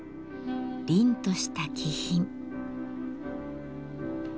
りんとした気品。